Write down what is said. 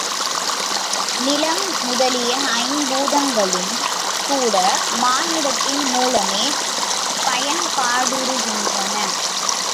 நிலம் முதலிய ஐம்பூதங்களும் கூட மானுடத்தின் மூலமே பயன்பாடுறுகின்றன.